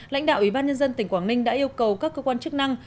lãnh đạo ủy ban nhân dân tỉnh quảng ninh đã yêu cầu các cơ quan chức năng